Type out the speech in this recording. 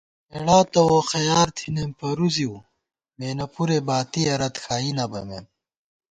ہېڑا تہ ووخَیار تھنَئیم پرُوزِؤ ، مېنہ پُرے باتِیَہ رت کھائی نہ بَمېم